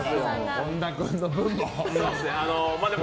本田君の分も。